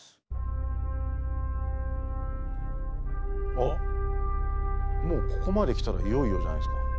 あっもうここまで来たらいよいよじゃないですか。